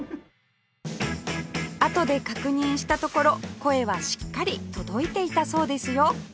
あとで確認したところ声はしっかり届いていたそうですよ